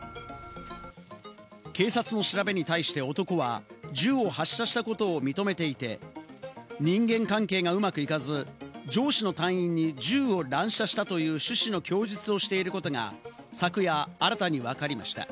警察の調べに対し、男は銃を発射したことを認めていて、人間関係がうまくいかず、上司の隊員に銃を乱射したという趣旨の供述をしていることが昨夜新たにわかりました。